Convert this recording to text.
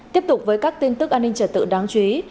tiếp tục với các tin tức an ninh trật tự đáng chú ý